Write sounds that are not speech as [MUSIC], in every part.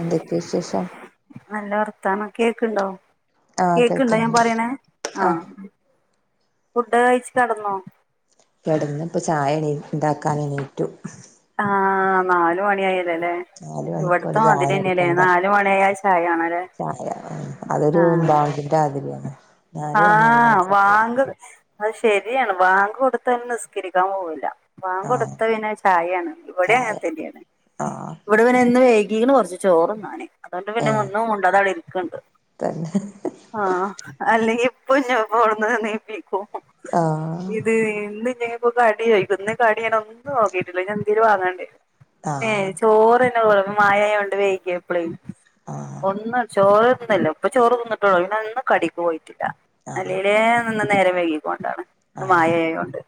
എന്തൊക്കെയ വിശേഷം നല്ല വർത്താന്ന് കേക്ണ്ടോ ആഹ് കേക്ണ്ടോ ഞാൻ കേൾക്കുന്നുണ്ട് പറയണേ ആഹ് ഫുഡ് കഴിച്ചു കെടന്നോ? കെടന്ന്പ്പ ചായണി ഇതാക്കാൻ എണീറ്റു. ആഹ് നാല് മണി ആയി വെലെ നാല് മണിക്ക് ഇവിടുത്തെ ഒരു ചായ മാതിരിന്നെല്ലേ നിർബന്ധാ നാല് മണിയായ ചായാണോലേ ചായ ആഹ് [UNINTELLIGIBLE] നാല് മണിയായാൽ ആഹ് ചായ വാങ്ക്- അത് ശരിയാണ് ബാങ്ക് കൊടുത്തന്നെ നിസ്കരിക്കാൻ പോവൂല്ല- വാങ്ക് ആഹ് കൊടുത്ത പിന്നെ ചായയാണ് ഇവിടെ ചായ അങ്ങനെ തന്നെയാണ് ആഹ് ഇവിടെ പിന്നെന്നും വേ നീങ്ങള് കൊറച്ച്ചോറുംന്നണെ- അതുകൊണ്ട് പിന്നെ ഏഹ് ഒന്നും ഉണ്ടതള ഇരിക്കണ്ട് തന്നെ ആഹ് - എപ്പൊ ഞാൻ പോടന്ന നപ്പിക്ക ആഹ് ഇത് എന്ന്ഞാൻ- ഇപ്പൊ കടി ചോദിക്കും ഇന്ന് കടി ഞൻ ഒന്നും നോക്കിട്ടില്ല ഞാൻ എന്ത്ര് വാങ്ങാണ്ട പിന്നെ ആഹ് ചോറ്- മായ കൊണ്ട് വൈകിയപ്പളേ ആഹ് ഒന്ന് ചോറ്- ല്ല ഇപ്പൊ ചോറ് കന്നിട്ടുള്ളൂ ഇ അന്നും കടക്ക് പോയിട്ടില്ല ആഹ് അല്ലയിലേ നിന്ന് നേരരെ വൈ ണ്ടാണ് ഇന്ന് ആഹ് മായയയ കൊണ്ട്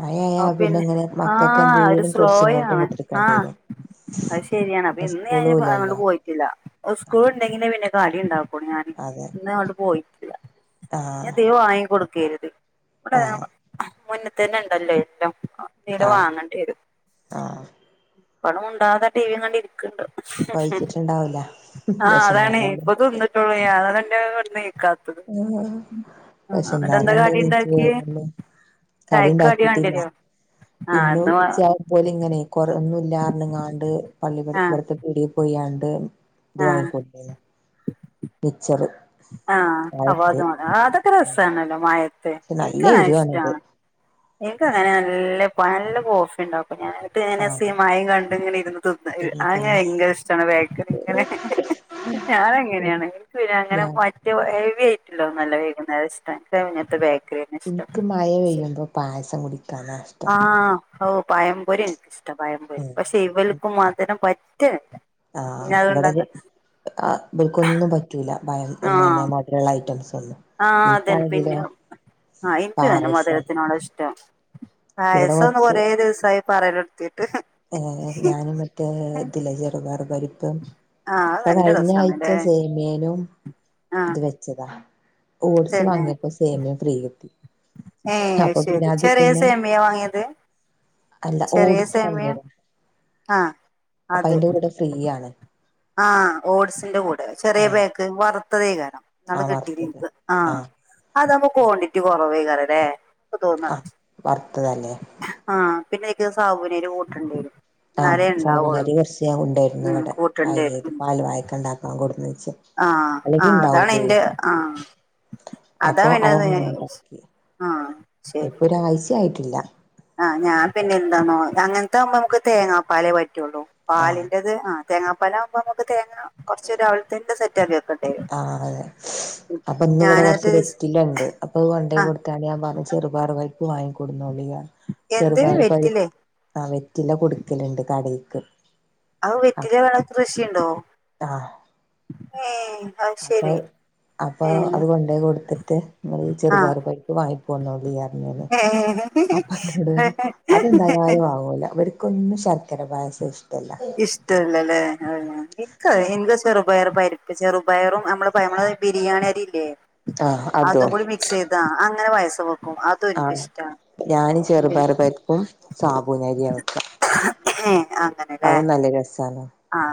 മഴയായ ആ പിന്നെ ഇങ്ങനെ ആ മക്കൾക്ക് ഒരു എന്തെലും കുറച്ച് ഇങ്ങോട്ടും സ്ലോയാണ് ഇങ്ങോട്ടും ആ എടുക്കേണ്ടി വരും അത് ശരിയാണ് അപ്പൊ പിന്നെ ഇന്ന് ഞാ സ്കൂളും അങ്ങൊണ്ട് ഇല്ലല്ലോ പോയിട്ടില്ല സ്കൂൾ ഉണ്ടെങ്കില പിന്നെ- കളി ഉണ്ടാക്കൂണ ഞാന് അതെ ഇന്ന് അങ്ങോണ്ട് പോയിട്ടില്ല ആഹ് എന്തേലും വാങ്ങി കൊടുക്കാരുത്. ഇവിടെ ആഹ് മുന്ന്ത്തന്നെ ഇണ്ടല്ലോ എല്ലം. ഒക്കെ ആഹ് ഒരുവാങ്ങേണ്ടി വരും ആഹ് ഇപ്പടും ഉണ്ടാത ടിവിയും കണ്ട ഇരിക്കണ്ട്- പഴിച്ചിട്ടുണ്ടാവൂല ആഹ് അതാണ് വിശന്നാലല്ലേ ഇപ്പൊ തിന്നിട്ടുള്ളൂ അതാണ് ഇന്റെ ഒരു നേക്ക ആ പക്ഷെ എന്താ ഇന്നാലല്ലേ കടി ജ്ജ് ഉണ്ടാക്കിയേ വരള്ളൂ. കറി ചായക്ക് കടി ഉണ്ടാക്കിട്ടില്ല വേണ്ടിവരുവോ ഇന്ന് ഉച്ച ആയപോലെ ഇങ്ങനെ കൊറവ്വ്- പില്ലാർങ്ങാണ്ട് പള്ളി ആഹ് ഇവിടുത്തെ പീടിൽ പോയാണ്ട്- ദ് ആഹ് വാങ്ങികൊട് തീനി മിച്ച റ് ആഹ് അതുമാണ് അതൊക്കെ രസമാണല്ലോ മഴത്തെ പക്ഷെ നല്ല എനിക്കൻ എരിവാണത് ഇഷ്ടമാണ്- എനിക്ക് അങ്ങനെ നല്ല നല്ല കോഫി ഉണ്ടാവും. അപ്പ ഞാനായിട്ട് ഇങ്ങനെ ആഹ് സ മായയും കണ്ട ഇങ്ങനെ ഇരുന്ന് തിന്ന് അങ്ങനെ എനിക്കൊന്ന് ഭയങ്കര ഇഷ്ടമാണ് ബേക്കറി ഇങ്ങനെ- ഞാന് അങ്ങനെയാണ് എനിക്ക് പിന്നെ അങ്ങനെ ഞാൻ മറ്റു ഹെവി ആയിട്ടല്ലോന്നല്ല വേകുന്നേരം ഇഷ്ട എനിക്ക് മഴ പെയ്യുമ്പോ പായസം കുടിക്കാനാഷ്ടം- ആഹ് ഓ പായംപൊരി എനിക്കിഷ്ടം പായംപൊരി ഉം പക്ഷെ ഇവൾക്കും മാത് രം പറ്റ്ല- ആഹ് ഇവിടെ ബൽക്കൊന്നൊന്നും പറ്റൂല- പയം ആഹ് തന്നെയല്ല മധുരമുള്ള ഐറ്റംസ്- ഒന്നും ആഹ് അതന്ന എനിക്കാണെങ്കിലോ പിന്നെ- ആഹ് എനിക്ക് തന്നെ പായസം മധുരത്തിനോട്ം ഇഷ്ടം ഇവിടെ പായസംന്ന് കൊറെേ ദിവസായി- പറയലെടുതി ഏ ഞാനും മറ്റേ ഇതിലെ ചെറുതാറു [UNINTELLIGIBLE] ഞ ആഹ് അത് നല്ല കഴിഞ്ഞ ആഴ്ച രസാണല്ലേ സേമേനും ആഹ് ഇത് വെച്ചതാ ഓട്സ് തന്നെ വാങ്ങിയപ്പോ സേമിയം ഫ്രീ കിട്ടി. ഏഹ് അപ്പൊ പിന്നെ ശരി അത് ചെറിയ പിന്നെ സേമ്യാ വങ്ങിയത്? അല്ല ഓട്സ്ണ്ടാവ് ലെ ആഹ് അപ്പൊ അത് അയിന്റെ കൂടെ ഫ്രീയാണ്. ആഹ് ഓട്സിന്റെ കൂടെ ചെറിയ ബാക്ക് വറുത്തതെയ്കാരം. നള് ആഹ് കിട്ടിഞ്ഞി വറുത്തത് ഇൻക്ക് ആഹ് അതാവുമ്പോ ക്വാണ്ടിറ്റി കൊറവേകാരംല്ലേ. ക്ക് തോന്ന ആഹ് വറുത്തതല്ലേ ആഹ് പിന്നെ അയ്ക്ക് സാവുനരി കൂട്ടണ്ടേരും. ആഹ് സാവൂനരി കൊർചിയാ ഉണ്ടായിരുന്നു ഉം വടെ. ആ രിയാത് പാൽ വായ്ക്ക ണ്ടാക്കാൻ കൊടുന്നേ ആ ആ അതാണ് ഇന്റെ ആ. അപ്പൊ അവങ്ങനെണ്ടാക്കി ആഹ് ഇപ്പൊ ഒരാഴ്ശ്യ ആയിട്ടില്ല. ആഹ്ഞാൻ പിന്നെ എന്താന്നോ അങ്ങനത്തെ ആവുമ്പോ നമുക്ക് തേങ്ങാ പാലേ പറ്റുള്ളൂ ആഹ് പാലിന്റത് ആ തേങ്ങാപാലാഉമ്പോ അമുക്ക് തേങ്ങ കൊർച് രാവിൽതെന്നെ സെറ്റാക്കി വെക്ക ആഹ് അതെ അപ്പൊ ന്ന് വടെ കൊർച്ച് ഞാനന്നിട്ട് വെറ്റിലണ്ട് അപ്പൊ അഹ് കൊണ്ടേയ് ആഹ് കൊടുത്താല് യാൻ പർഞ് ചെറുപയർ പരി പ്പ് വാങ്ങിക്കൊടുന്നോളി യാ എന്ത് ചെറുപയർ പരി വെറ്റിലേ ആഹ് വെറ്റില കൊടുക്കലുണ്ട് കടേ അഹ് വെറ്റില വേണെ കൃഷിണ്ടോ? ഏഹ് അത് ശരി അപ്പഹ് അപ്പൊ ഏഹ് അത് കൊണ്ടോയ് കൊടുത്തിട്ട് മ്മളീ ആഹ് ചെറുപയർപരിപ്പ് വാങ്ങി പോന്നോളി അർഞാന്. ഏഹ് [UNINTELLIGIBLE] അതെന്തായാലും വാങ്ങുല അവര് കൊന്നു ശർക്കര പായസ്സ ഇഷ് ഇഷ്ടല്ലല്ലേ ഇൻക്കഎ ഇന്റെ ചെർ വേറെ പരിപ്പ് ചെറുപയറും ഞമ്മള് ഞമ്മളെ ബിരിയാണി അരില്ലേ ആഹ് അതോ അതും കൂടി മിക്സ് ചെയ്താ അങ്ങനെ വയസ പോ ആഹ ഞാന് പിന്നെ ചെറുപരു പപ്പും സാബൂനാരിയാ വെക്ക ഹും ആ അതത് നല്ല രസാണ്. ആഹ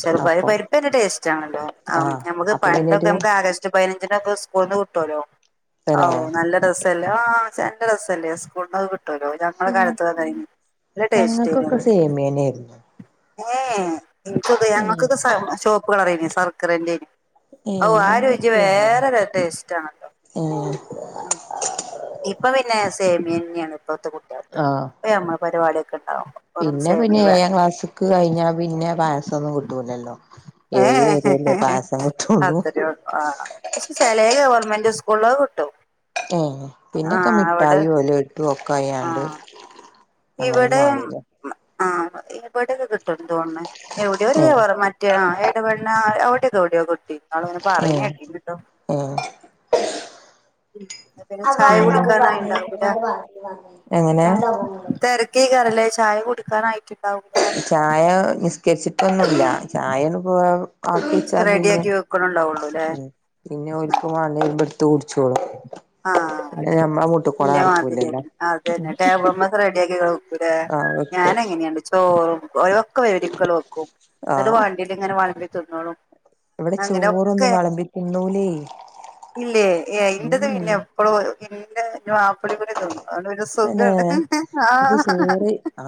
ചെറുപ്പായതി അപ്പൊ പരിപ്പ്ന്റെ ടേസ്റ്റ് ആണല്ലോ ആഹ് നമുക്ക് അപ്പൊ പണ്ടൊക്കെ പിന്നൊരു നമുക്ക് ആഗസ്റ്റ് പതിനഞ്ചിനൊക്കെ സ്ക്കൂൾന്ന് കിട്ടോല്ലോ ഹൗ പിന്നെ നല്ല രസല്ലേ ആ നല്ലരസല്ലേ ആ സ്കൂളന്നത് കി ട്ടല്ലോ പക്ഷെ ഞങ്ങള് ഞ കാലത്ത് വന്നഴ നല്ല ടേസ്റ്റ് ഞങ്ങൾക്കൊക്കെ സേമിയനായിരുന്നു ഏ എനിക്കൊക്കെ ഏഹ് ഞങ്ങൾക്കൊക്കെ ചോപ്പുകള റിയുന്നേ സർക്കറിറേനന് ഓ ആ ഏഹ് രുചി സേമിയന്നെ വേറെൊ ടേസ്റ്റ്ാണല്ലോ ഏഹ് ഉ ഇപ്പൊ പിന്നെ സേമിന്നെയാണ് ഇപ്പത്തെ ആഹ് കുട്ടികത്ത്മ്മ പരിപാടിിക പിന്നെ പിന്നെ ഏഴാം ക്ലാസ്ക് കഴിഞ്ഞാ പിന്നെ പായസംന്നും കിട്ടൂലല്ലോ. ഏ ഏഴ് വരെയല്ലേ പായസം കിട്ടുള്ളൂ അത്രള്ളു ആ പക്ഷെ ചില ഗവർമെന്റ് സ് കുളവ കിട്ടോ ഏ പിന്നൊക്കെ മിഠായിോ എല്ല ഇത്തും ഒക്കെ ആ അ്യാണ്ട് ഇവിടെ ആ ഇവിടെ [INAUDIBLE] ന്നാള്ങ്ങനെ ഏ ഏ പറയിനെ കേട്ടിണിട്ടോ. ഏ ഉ പിന്നെ ചായ കുടിക്കാനായി ഉണ്ടാവൂല എങ്ങനെ തിരക്കി കറല ചായ കൊടുക്കാനായിട്ടു ചായ നിഷ്കരിച്ചിട്ടൊന്നുമല്ല ചായു പോവാ ആാക്കീിച്ചാ പിന്നെ റെഡിയാക്കി വെക്കണണ്ടാവുള്ളൂല്ലേ ഉ പിന്നെ ഒക്ക് വഞ്ഞ ഇരുവിടുത്ത ഓടിച്ചോളും ആഹ പക്ഷെ എന്റെ മാതിരി നടക്കൂലല്ലോ തന്നെ അത് തന്നെ ടേബിൾ മാ റെഡിയ ആാക്കി കേക്കൂല ആ ഞാൻ വെക്കും എങ്ങനെയണ്ട് ചോറും ഒക്ക വെിക്കൽ വെക്കും ആ എന്ന വണ്ടിൽ ഇങ്ങന വണ്ട തിന്നളും ഇവിടെ ചോറൊന്നും കളമ്പിക്കിന്നലേ ഇല്ലേ ഇന്റത് പിന്നെ എപ്പളും.. ആപ്പിളി പോല തോന്നുന്നു അ ഒരു തന്നെ സുഖമാണ് ആ ഇത് ചോറ് ആ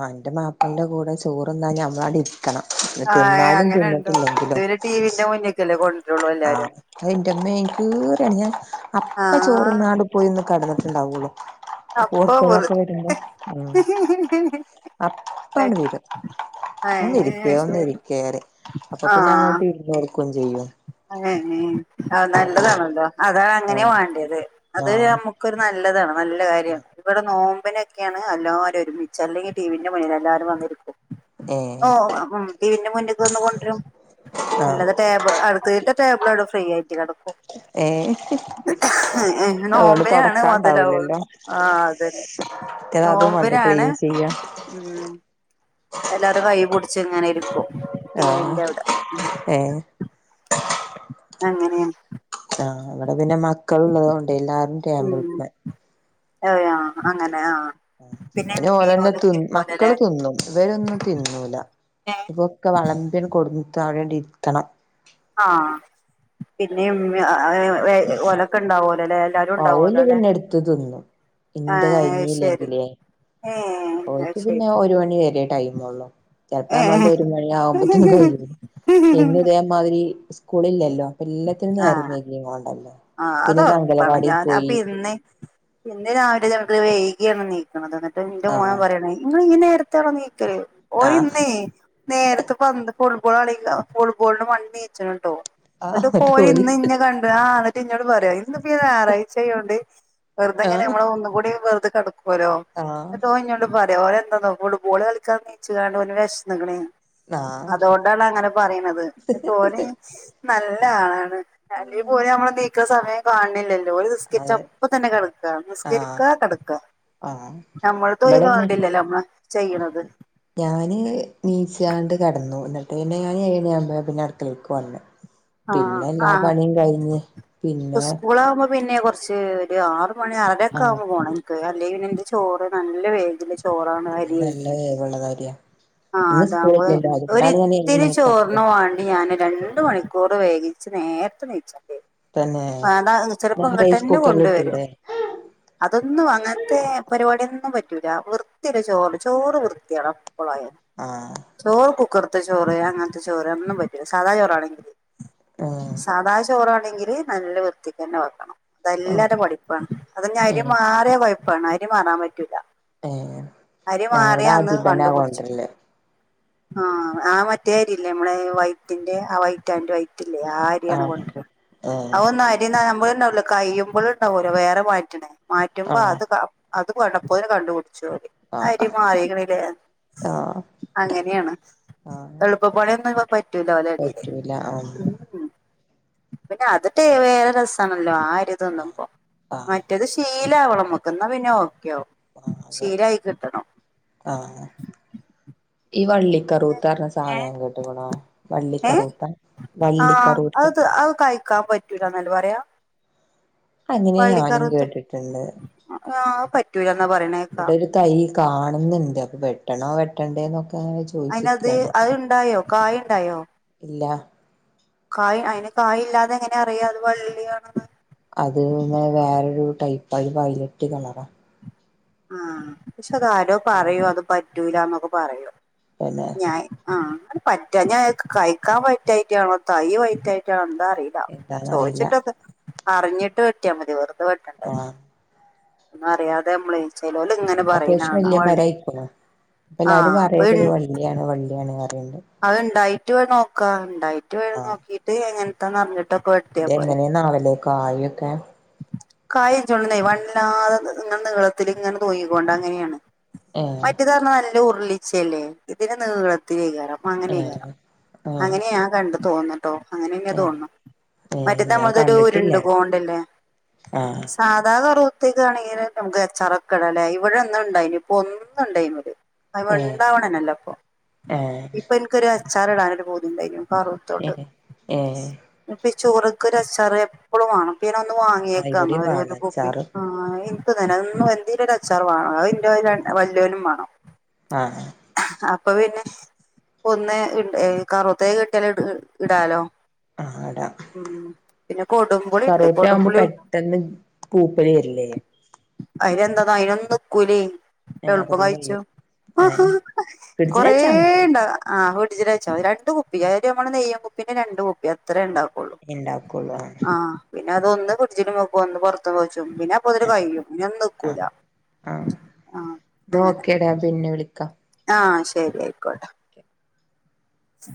എന്റെ കൂടെ ചോറന്നാ ഞമ്മള അടി ണം ആ തിന്നാലും അങ്ങനെണ്ടോ ഇത് തിന്നിട്ടില്ലെങ്കിലോ പിന്നെ ടിവിന്റെ മുന്നിക്കല്ലേ കൊണ്ടരുള്ളൂ ആഹ് എല്ലാരും അ എറമ്മ എനി കറിയാണ് ഞാൻ ആ അപ്പ ചോറ് നാട് പോയിന്ന് കടന്ന ുണ്ടാവൂല [UNINTELLIGIBLE] അപ്പൊ പോർത്തന്നൊക്കെ വെറു വരുമ്പോ ഉം അപ്പാണ്ട് വരും. ഒന്നിരിക്കേ ഏഹ് ശരി ഒന്ന ഇരിക്കറ അപ്പൊ പിന്നെ അങ്ങോട്ട് ഇരുുന്നടുക്കയും ചെയ്യും ഏ ആഹ നല്ലതാണല്ലോ അതാണ് ആ അങ്ങനെ വേണ്ടിയത് അത് ആ നമുക്കരു നല്ലതാണ് നല്ല കാര്യമാണ് ഇവിടെ നോ്പ മനൊക്കെയാണ് എല്ലാവരും ഒരുമിച്ച് അല്ലെങ്കിൽ ടിവിന്റെ മുന്നിൽ എല്ലാവും വന്നിരിക്കും. ഏ ഓ ഉ ടിവിന്റെ മുന്നേക്ക് വന്ന കൊണ്ടുവരും ആ അല്ലാതെ ടേബിൾ അടു തീട്ട ടേബിളോട് ഫ്രീ ആയിട്ട് കിക്കും ഏ അതുകൊണ്ട് നോബെ ആാണ് മുതലാവ തൊടക്കാണ്ടാവില്ലല്ലോ ആ അതന്നെ മറ്റേത് അതും വേണ്ടേ നോമ്പിനാണ് ക്ലീൻ ചെയ്യാൻ ഉം എല്ലാരും കൈപുടിച്ചെങ്ങനെ പ്പോ ആ ടിവിന്റെ അവിടെ ഏ അങ്ങനെയാ. ആഹ അവിടെ പിന്നെ മക്കളള്ളത കൊൊണ്ട് എല്ലാരും [INAUDIBLE] അതേയോ അങ്ങ അപലെ തന്നെ തി ഇരിക്കോലല്ലേ മക്കള് തിന്നും ഇവരൊന്നും തിന്നൂല ഇവൊക്കെ വളമ്പ്യൻ കൊടുിട്ട് അവിടെണ്ട ഇരിക്കണം ആഹ് പിന്നെ ഉമ്മീം [UNINTELLIGIBLE] ഓലക്ക ഉണ്ടാവോ? ഓല്പിന്നെഎടുത്തതിന്നു ഇന്ത് ഏഹ് ശരി കഴിഞ്ഞല്ലെങ്കിലേ ഏഹ് ഓക്ക് അത് ശരി പിന്നെ ഒരു മണിവരെ ടൈമ ഉള്ളു ചെലപ്പ മ്മളത് ഏഹ് ഒരു മണി ആകുമ്പത്ത്‌ന് കഴിയും പിന്നെ ഇതേമാതിരി സ്കൂളി ഇല്ലല്ലോ. അപ്പ എല്ലത്തിും ആഹ് അരമക്കിയുംങ്ങ കൊണ്ടല്ലോ ആഹ് അതാറള പിന്നെ പിന്നെ രാവിലെ നമുക്ക്ത് വൈകിയാണ് നീക്കുന്നത്. ന്റെ മോൻ ആഹ് പറയണ ങ്ങള് ഇങ്ങനെ എടത്താണ് നീക്കറിയും ഓര് ആഹ് ഇന്നേ നേരത്ത് വന്ത് ഫുട്ബോൾ കളി ഫുട്ബോളിന് മണി നീച്ചുണ് ട്ടോ ആഹ് എന്നിട്ട് ന്നട്ട് പോര് ഓല് ഇന്ന് ഇന്ന കണ്ട് ആ എന്നിട്ട് ഇന്നോട് പറയാ ന്ന് പ്പ ഈ ഞാറായ്ചായോണ്ട് വെർതെങ്ങനെ ആഹ് നമ്മളെ ഒന്നും കൂടി വെർതെ കെട ഓരോ ആഹ് ഓൻ ഇഞ്ഞോണ്ട് പറയാ ഓ എന്തന്നോ ഫുട്ബോൾ കളിക്കാൻ ന്നിച്ചു കാണും വേഷ നിക്കണ് ആഹ് അതൊണ്ടാണ് അങ്ങനെ പറയണത് എന്നിട്ടോന് നല്ല ആളാണ്. അല്ല പോലെ നമ്മള് നീക്കാൻ സമയം കാണണില്ലല്ലോ. ഒരു ബിസ്കരിച്ച് അതെ അപ്പ തന്നെ കിടക്ക ആഹ് ബിസ്കരിക്കാ കിടക്ക. ആഹ് നമ്മൾത് ഒരു ഇബടെ കൗണ്ടില്ലല്ലോ നമ്മള് ചെയ്യണത് ഞാന് എനീച്ചാണ്ട് കെടന്നു എന്നിട്ട് പിന്നെ ഞാൻ ഏഴരമ്പോ പിന്നെ അടുക്കളേക്കു വന്നു ആഹ ആഹ പിന്നെ സ്കൂള് ആകുമ്പോ പിന്നെ കൊറച്ച് കുറച്ച് ഒരു ആറ് മണി അറരൊക്കെ ആഹ് ആവുമ്പോ പോകണം. എനിക്ക് അല്ലെങ്കിൽ പിന്നെ എന്റെ ചോറ് നല്ല വേഗ ചോറാണ് ഇവടിം ഹരിയെ നല്ല വേവുള്ളതരിയാ ആ ഇന്ന് അതാകുമ്പോ സ്കൂളില്ലല്ലോ അതുകൊണ്ടാണ് ഞാൻ ഏഴ് ഒരിത്തിരി മണിക്കാക്കിയെ ചോർണ് വണ്ടി ഞാൻ രണ്ടു മണിക്കൂർ വേകിച്ച് നേരത്തേ നേരത്തെ നീച്ച തന്നെ ആ ത ചിലപ്പോ റൈസ് ഇങ്ങോട്ട്ന്നെ കൊണ്ടുവരും. കുക്കറിലിട്ടൂടെ അതൊന്നും അങ്ങനെ ത്തെ പരിപാടിയൊന്നും പറ്റൂല വൃത്തിള്ള ചോറ് ചോറ് വൃത്തിയാണം എപ്പളായ ആഹ് ചോറ് കുക്കറത്തെ ചോറ് അങ്ങനത്തെ ചോറ് ഒന്നും പറ്റില്ല സാദാ ചോറാണെങ്കില് ആഹ് സാധാ ചോറ് ആണെങ്കില് നല്ല വൃത്തിക്ക്ന്നെ വെക്കണം. ആഹ് അതെല്ലാടെ മടിപ്പാ അതന്ന അരി ഏഹ് മാറിയ കുഴപ്പാണ്. അരി മാറാൻ പറ്റൂല്ല. ഏഹ് അരി ഞാൻ ഇവടെ മാറിയാ അന്ന് അധിപനാ കണ്ടുപുടിച്ചു കൊണ്ടരല് ആഹ ആ മറ്റേഅരില്ലെ നമ്മളെ വൈറ്റിന്റെ ആ വൈറ്റ് ആൻഡ് വൈറ്റ് ലേ ആ അരിയാണ് ആഹ് കൊണ്ടര ഏഹ് അ ഒന്നും അരി ന ത കഴിയുമ്പോൾ ഉണ്ടാവുലോ വേറെ മാറ്റണെ മാറ്റുമ്പോ ആഹ് അത് അത് കടപ്പോതിന് കണ്ട കൊടുത്ത റി ആഹ് എന്നരി മാറിരിക്കണില്ലേ. ആഹ് അങ്ങനെയാണ് ആഹ് എളുപ്പപണിയൊന്നും ഇ പറ്റൂല ഇതില് പറ്റൂല ആഹ് പിന്നെ അതിട്ട വേറെ രസാണല്ലോ ആ അരി തിന്നുമ്പോ ആഹ് മറ്റേത് ശ ീലാവ അവളം മുക്കുന്നാ വിനോ ആഹ് അതെ ശരിയയി കിട്ടണോ ആഹ് ഈ വള്ളിക്കറൂത്തറ സാധനം കേട്ടകണോ ഏഹ് വള്ളിക്കറൂത്ത, വള്ളിക്കറൂത്ത. ക്കാൻ പറ്റൂല എന്നല്ല പറയാ അങ്ങനെ ഞാനും പള്ളിക്കറോത്ത കേട്ടിട്ടുണ്ട് ആ ഇവിടെ ഒരു തൈ കാണുന്നുണ്ട് അപ്പൊ വെട്ടണോ വെട്ടണ്ടേ എന്നൊക്കെ ങ്ങാ അയിനത് ചോദിച്ചിക്ക അത് ഇണ്ടായോ കായ് ഇണ്ടായോ ഇല്ല കായ് അയിന് കായ് ഇല്ലാതെ എങ്ങനെ അറിയ അത് വള്ളിയണെന്ന് ടൈപ്പഴ വയലറ്റ് കളറ. ആഹ പക്ഷെ അതാരോ പറയൂ കളറ് അത് പറ്റൂലന്നൊക്കെ പറയും പിന്നെ ഞായ് ആഹ് അ പറ്റാ ഞ്ഞയാക്ക് കഴിക്കാൻ പറ്റായിട്ടാണോ തൈ വയ്റ്റായിട്ടാണോ അ അറിയില്ല എന്താന്നറിയില്ല ചോദിച്ചിട്ടക്കെ അറിഞ്ഞിട്ട് വെട്ടിയാൽ മതി വെറുതെ വെട്ടണ്ടല്ലോ. ആഹ് ഒന്നും അറിയാതെ നമ്മള് ച്ച ലോല്ല് ഇങ്ങനെ പറയണാ കണാ വള്ളി അപ്പ എല്ലാരും ആഹ് അപ്പ പറയണണ്ട് ഇത് വള്ളിയാണ് വള്ളിയാണ് പറയ്ണ്ട് അത് ഉണ്ടായിട്ട് നോക്കാ. ഉണ്ടായിട്ട് നോക്കീട്ട് എങ്ങനത്താന്ന്റിഞ്ഞിട്ട്. ഇത് എങ്ങനെയ നാളിലേക്കോ ആയിൊക്കെ കായം ചോണ്ടുന്നെ വല്ലാതെ ഇങ്ങനെ നീളത്തി ഇങ്ങനെ തൂങ്ങിക്കോണ്ടങ്ങനെയാണ് ഏഹ് മറ്റേ തരണം നല്ല ഉരുളിച്ചയല്ലേ ഇതിന് നീളത്തി ഏയരം. ഏഹ് അങ്ങനെകേറാം ഏഹ് അങ്ങനെയാ കണ്ടു തോന്നട്ടോ അങ്ങനെ എങ്ങനെ ഏഹ് തോന്നുന്നു ഏ മറ്റേ ഞാൻ നമ്മളതൊരു കണ്ടിട്ടില്ല ഉരുണ്ട്ു കോണ്ടല്ലേ ആഹ് സാധാ [UNINTELLIGIBLE] ഏ അത്പ്പണ്ടാവ്ണനല്ലെപ്പൊ ഏഹ് ഇപ്പൊ ൻക്കൊരു അച്ചാർ ഇടാനൊരു പൂതി ണ്ടായ്നു ഏ പർവ്വത്തോണ്ട് ഏ ഇപ്പ ചോറക്ക്ൊരു അച്ചാറ എപ്പോഴും വേണം പിന്നെ ഒന്ന് ആ വാങ്ങിയേക്കാം ന്ന ഇവിടെയും ഒരു ഒരു കുപ്പി വാഴച്ചാറ് ആ എന്ത് തെ ഒ എന്തേല അച്ചാർ വാങ്ങ വല്ലവനും വാണം ആഹ് അപ്പൊ പിന്നെ ഒന്ന് കറുത്തേത് കിട്ടിയാല് ഇടാലോ ആടാ ഉം പിന്നെ പക്ഷെ കൊടുമ്പുളി ഉണ്ട് പറോട്ട ആവുമ്പോ കൊടുമ്പുളി പെട്ടെന്ന് പൂപ്പല് വരും [UNINTELLIGIBLE] അയ്ലെന്താന്നാ അയ്നൊന്ന്ക്കൂലെ ഏ എളുപ്പം അപ്പത്തിന് കഴിച്ചു കഴിയും ഏ ഫ്രിഡ്ജിൽ കൊറേ വെച്ചാ മതി ണ്ട് ആഹ് ഒടിച്ചിട്ട് കഴിച്ച മതി രണ്ട് കുപ്പി അതയത് നമ്മള് നെയ്യം കുപ്പിന്റെ രണ്ട് കുപ്പി അത്ര ഉണ്ടാവും. ഇണ്ടാക്കുള്ളുന്ന് പിന്നെ അതൊന്ന് പിടിച്ചിട്ട് മോക്കും ഒന്ന് പുറത്ത് പോച്ചും പിന്നെ അപ്പൊല് കഴിയും ഇന ഒന്ന് നോക്കൂല ആഹ ഓക്കേ ഡാ പിന്നെ വിളിക്കാം ആഹ ശരി അയിക്കോട്ടെ അ